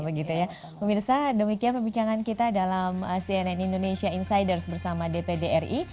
pemirsa demikian perbincangan kita dalam cnn indonesia insiders bersama dpd ri